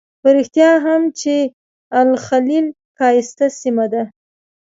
په رښتیا هم چې الخلیل ښایسته سیمه ده.